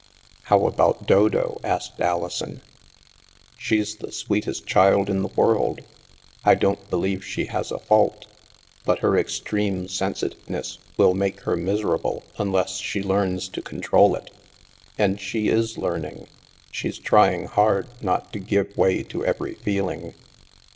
" How about Dodo? " asked Alison. " She's the sweetest child in the world. I don't believe she has a fault. But her extreme sensitive ness will make her miserable unless she learns to control it. And she is learning. She's trying hard not to give way to every feeling."